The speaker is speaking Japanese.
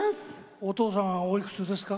お父さんおいくつですか？